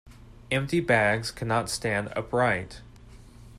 Empty bags cannot stand upright.